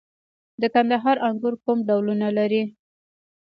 د کندهار انګور کوم ډولونه لري؟